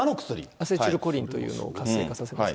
アセチルコリンというのを活性化させます。